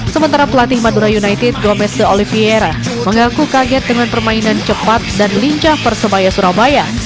sementara pelatih madura united gomezha oliviera mengaku kaget dengan permainan cepat dan lincah persebaya surabaya